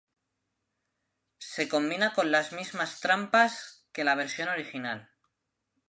Se combina con las mismas trampas que la versión original.